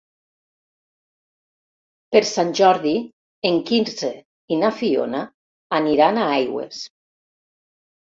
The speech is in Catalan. Per Sant Jordi en Quirze i na Fiona aniran a Aigües.